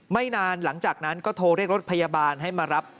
ไม่นานหลังจากนั้นก็โทรเรียกรถพยาบาลให้มารับ